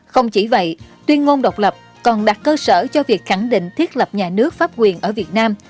không chỉ vậy tuyên ngôn độc lập còn đặt cơ sở cho việc khẳng định thiết lập nhà nước pháp quyền ở việt nam